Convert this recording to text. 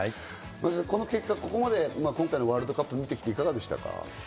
松井さん、この結果、ここまで今回のワールドカップを見てきて、いかがでしたか？